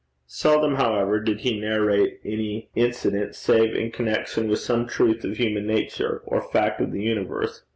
Seldom, however, did he narrate any incident save in connection with some truth of human nature, or fact of the universe.